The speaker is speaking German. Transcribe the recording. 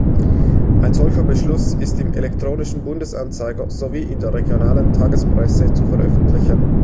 Ein solcher Beschluss ist im elektronischen Bundesanzeiger sowie in der regionalen Tagespresse zu veröffentlichen.